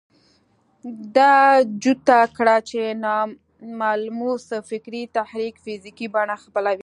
ده جوته کړه چې ناملموس فکري تحرک فزيکي بڼه خپلوي.